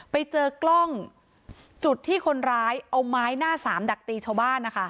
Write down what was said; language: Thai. ไปเจอกล้องจุดที่คนร้ายเอาไม้หน้าสามดักตีชาวบ้านนะคะ